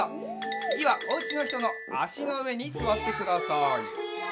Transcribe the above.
つぎはおうちのひとのあしのうえにすわってください。